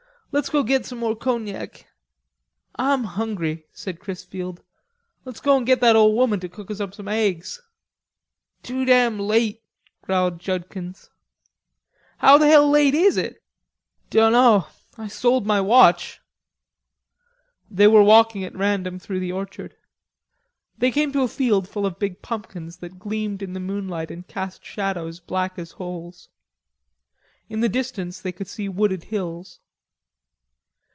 "Let's go get some more cognac." "Ah'm hungry," said Chrisfield. "Let's go an' get that ole woman to cook us some aigs." "Too damn late," growled Judkins. "How the hell late is it?" "Dunno, I sold my watch." They were walking at random through the orchard. They came to a field full of big pumpkins that gleamed in the moonlight and cast shadows black as holes. In the distance they could see wooded hills.